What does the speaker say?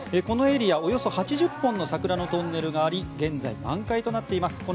このエリア、およそ８０本の桜のトンネルがあり現在、満開となっています。